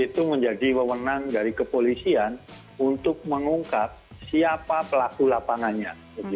itu menjadi wewenang dari kepolisian untuk mengungkap siapa pelaku lapangannya